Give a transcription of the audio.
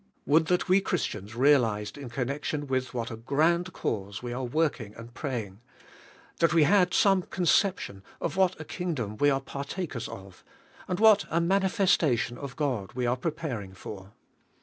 Would that we Christians realized in connection with vvhat a grand cause we are working and praying; that we had some 77/. / T GOD A/A V BE ALL LN ALL 169 conception of what a Kingdom we are partakers of, and what a manifestation of God we are pre paring for.